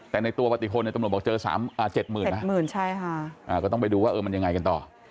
แต่ในตัวปฏิพลตำรวจบอกเจอ๗๐๐นะก็ต้องไปดูว่ามันยังไงกันต่อ